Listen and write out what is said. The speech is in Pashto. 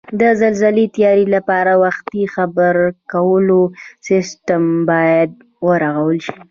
د زلزلې تیاري لپاره وختي خبرکولو سیستم بیاد ورغول شي